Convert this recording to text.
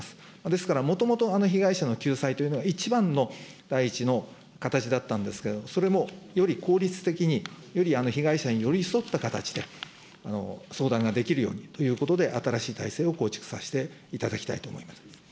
ですから、もともと被害者の救済というのは、一番の第一の形だったんですけれども、それもより効率的に、より被害者に寄り添った形で相談ができるようにということで、新しい体制を構築させていただきたいと思います。